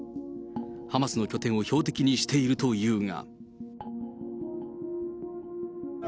ハマスの拠点を標的にしているというが。